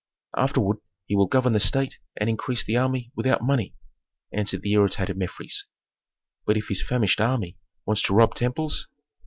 "Afterward he will govern the state and increase the army without money," answered the irritated Mefres. "But if his famished army wants to rob temples?"